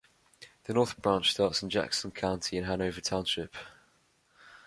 The North Branch starts in Jackson County in Hanover Township.